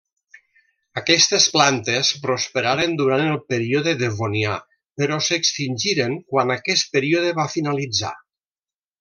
Aquestes plantes prosperaren durant el període Devonià però s'extingiren quan aquest període va finalitzar.